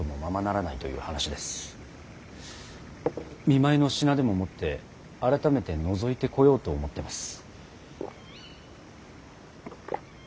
見舞いの品でも持って改めてのぞいてこようと思ってます。